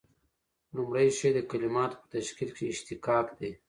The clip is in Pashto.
لومړی شی د کلیماتو په تشکیل کښي اشتقاق دئ.